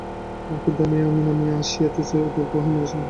কিন্তু আমি, আমি নামিয়া আসিতেছি উত্তুঙ্গ হিমালয় শৃঙ্গ হইতে।